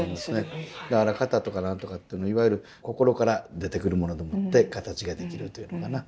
だから型とか何とかっていうのいわゆる心から出てくるものでもって形が出来るというのかな。